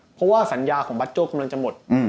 เพราะว่าสัญญาของบัตโจ้กำลังจะหมด